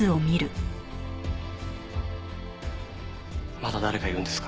まだ誰かいるんですか？